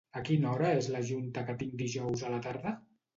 A quina hora és la junta que tinc dijous a la tarda?